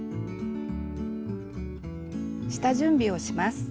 下準備をします。